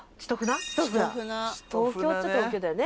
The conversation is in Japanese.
東京っちゃ東京だよね。